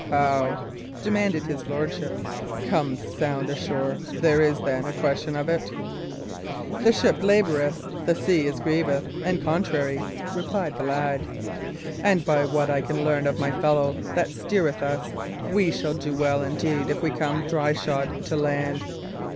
"How!" demanded his lordship. "Come sound ashore? There is, then, a question of it?" "The ship laboureth the sea is grievous and contrary," replied the lad; "and by what I can learn of my fellow that steereth us, we shall do well, indeed, if we come dryshod to land."